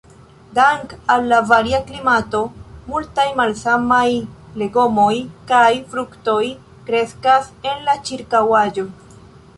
Dank' al la varia klimato, multaj malsamaj legomoj kaj fruktoj kreskas en la ĉirkaŭaĵo.